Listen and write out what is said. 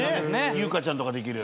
優香ちゃんとかできる。